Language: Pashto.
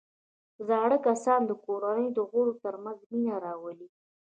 زاړه کسان د کورنۍ د غړو ترمنځ مینه راولي